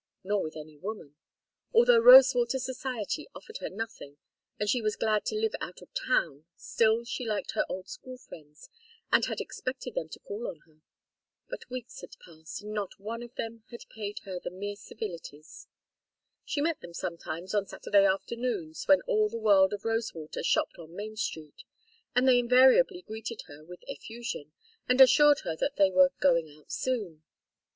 Nor with any woman. Although Rosewater society offered her nothing and she was glad to live out of town, still she liked her old school friends and had expected them to call on her. But weeks had passed and not one of them had paid her the mere civilities. She met them sometimes on Saturday afternoons, when all the world of Rosewater shopped on Main Street, and they invariably greeted her with effusion, and assured her they were "going out soon."